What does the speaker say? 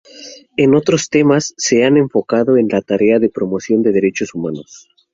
En otros temas se ha enfocado en la tarea de promoción de Derechos Humanos.